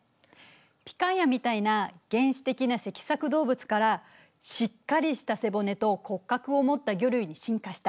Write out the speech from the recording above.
ピカイアみたいな原始的な脊索動物からしっかりした背骨と骨格を持った魚類に進化した。